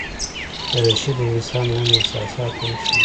دریشي د انسان دننه احساسات هم ښيي.